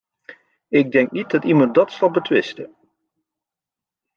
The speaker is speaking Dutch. Ik denk niet dat iemand dat zal betwisten.